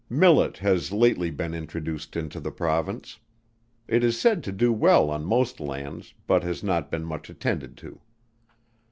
Millet has lately been introduced into the Province. It is said to do well on most lands, but has not been much attended to.